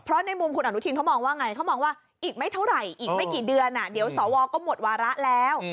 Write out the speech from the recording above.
เพราะในมุมคุณอนุทินเขามองว่าไงเขามองว่าอีกไม่เท่าไหร่อีกไม่กี่เดือนเดี๋ยวสวก็หมดวาระแล้ว